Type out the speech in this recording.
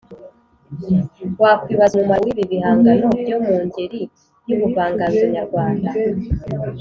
wakwibaza umumaro w’ibi bihangano byo mu ngeri y’ubuvangazo nyarwanda